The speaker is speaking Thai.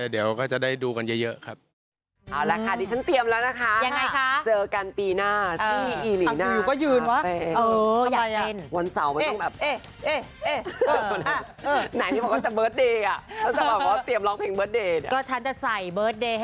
เดี๋ยวก็จะได้ดูกันเยอะครับ